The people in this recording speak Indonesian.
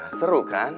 iyuh keren banget